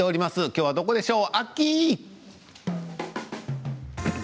今日はどこでしょう、アッキー！